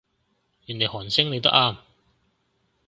原來韓星你都啱